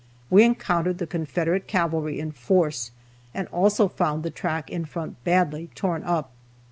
We encountered the Confederate cavalry in force, and also found the track in front badly torn up.